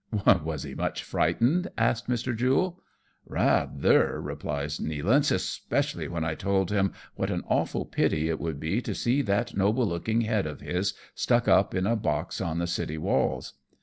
" Was he much frightened ?" asks Mr. Jule. " Rather," replies Nealance, " especially when I told him what an awful pity it would be to see that noble looking head of his stuck up in a box on the city walls.